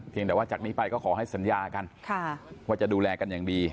แต่ว่าจากนี้ไปก็ขอให้สัญญากันว่าจะดูแลกันอย่างดี